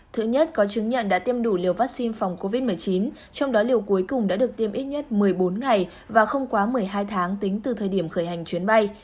thứ nhất có chứng nhận đã tiêm đủ liều vaccine phòng covid một mươi chín trong đó liều cuối cùng đã được tiêm ít nhất một mươi bốn ngày và không quá một mươi hai tháng tính từ thời điểm khởi hành chuyến bay